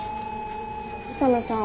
宇佐見さん